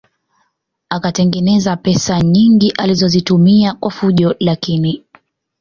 Akatengeneza pesa nyingi alizozitumia kwa fujo lakini